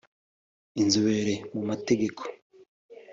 Inzobere mu mategeko